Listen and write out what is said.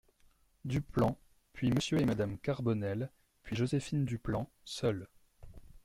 Duplan ; puis Monsieur et Madame Carbonel, puis Joséphine Duplan , seul.